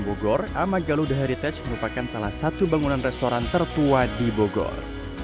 bogor amagaluda heritage merupakan salah satu bangunan restoran tertua di bogor